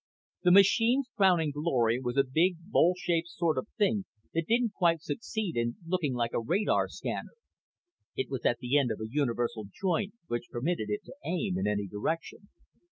The machine's crowning glory was a big bowl shaped sort of thing that didn't quite succeed in looking like a radar scanner. It was at the end of a universal joint which permitted it to aim in any direction.